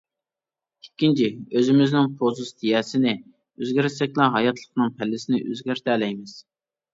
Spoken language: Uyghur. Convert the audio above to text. ئىككىنچى، ئۆزىمىزنىڭ پوزىتسىيەسىنى ئۆزگەرتسەكلا، ھاياتلىقنىڭ پەللىسىنى ئۆزگەرتەلەيمىز.